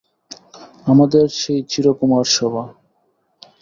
আমাদের সেই চিরকুমার-সভা।